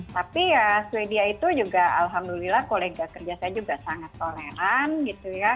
tapi ya sweden itu juga alhamdulillah kolega kerja saya juga sangat toleran gitu ya